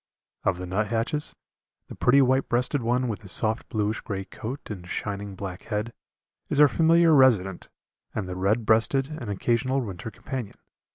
Of the nuthatches, the pretty white breasted one with his soft bluish grey coat and shining black head, is our familiar resident and the red breasted an occasional winter companion.